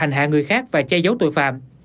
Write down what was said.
hành hạ người khác và che giấu tội phạm